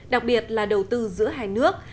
đặc biệt là đầu tư giữa hai nước